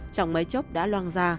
trong mấy chốc đã loang ra